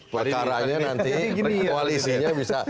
perkaranya nanti koalisinya bisa